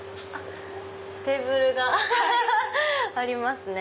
テーブルがありますね。